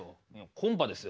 コンパですよ。